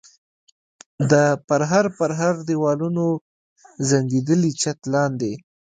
د پرهر پرهر دېوالونو زنګېدلي چت لاندې.